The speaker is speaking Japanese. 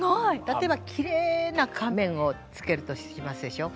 たとえばきれいな仮面をつけるとしますでしょ。